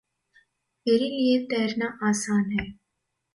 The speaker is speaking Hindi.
मेरे लिए तैरना आसान है।